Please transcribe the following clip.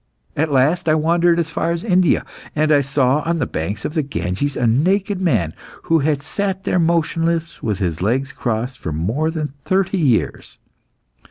At last I wandered as far as India, and I saw on the banks of the Ganges a naked man, who had sat there motionless with his legs crossed for more than thirty years.